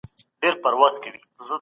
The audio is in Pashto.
موږ دا نه نوموو.